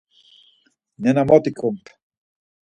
Nena mot ikumt.